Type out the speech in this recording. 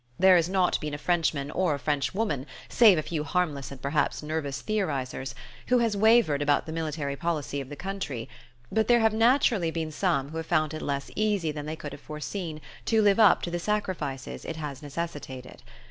There has not been a Frenchman or a Frenchwoman save a few harmless and perhaps nervous theorizers who has wavered about the military policy of the country; but there have naturally been some who have found it less easy than they could have foreseen to live up to the sacrifices it has necessitated.